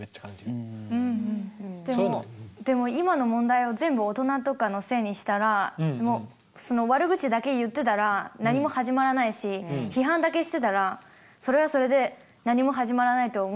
でもでも今の問題を全部大人とかのせいにしたらもうその悪口だけ言ってたら何も始まらないし批判だけしてたらそれはそれで何も始まらないと思うんだけど。